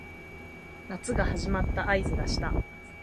夏が始まった合図がした